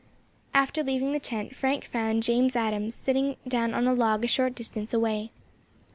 After leaving the tent, Frank found James Adams sitting down on a log a short distance away.